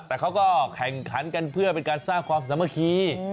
แต่เขาก็แข่งขันกันเพื่อเป็นการสร้างความสามัคคี